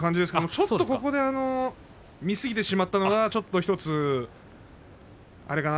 ちょっと見すぎてしまったのが１つあれかな。